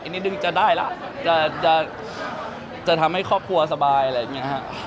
อันนี้นึงจะได้ล่ะจะจะจะทำให้ครอบครัวสบายอะไรอย่างเงี้ยฮะ